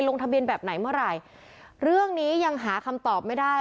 ลงทะเบียนแบบไหนเมื่อไหร่เรื่องนี้ยังหาคำตอบไม่ได้